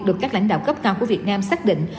được các lãnh đạo cấp cao của việt nam xác định